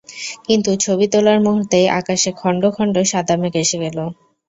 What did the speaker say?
কিন্তু ছবি তোলার মুহূর্তেই আকাশে খণ্ড খণ্ড সাদা মেঘ এসে গেল।